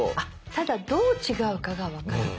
ただどう違うかが分からない。